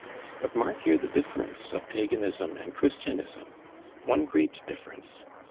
But mark here the difference of Paganism and Christianism; one great difference.